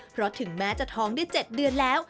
เพราะถึงแม้จะท้องได้๗เดือนแล้ว